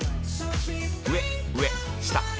上上下下